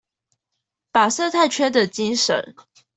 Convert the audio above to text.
把生態圈的精神